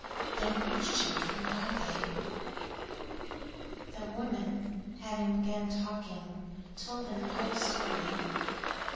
"Then whose children are they?" IX The woman, having begun talking, told them the whole story.